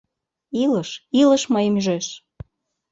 Илыш, илыш мыйым ӱжеш!